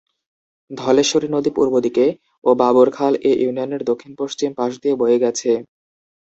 ধলেশ্বরী নদী পূর্ব দিকে ও বাবর খাল এ ইউনিয়নের দক্ষিণ-পশ্চিম পাশ দিয়ে বয়ে গেছে।